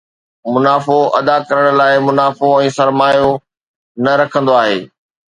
منافعو ادا ڪرڻ لاءِ منافعو ۽ سرمايو نه رکندو آھي